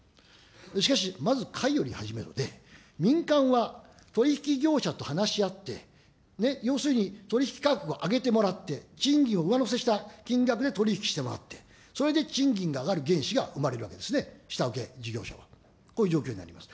しかし、まずかいより始めろで、民間は取り引き業者と話し合って、要するに取り引き価格を上げてもらって、賃金を上乗せした金額で取り引きしてもらって、それで賃金が上がり原資が生まれるわけですね、下請け事業者は、こういう状況になります。